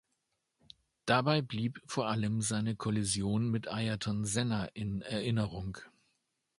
Dabei blieb vor allem seine Kollision mit Ayrton Senna in Erinnerung.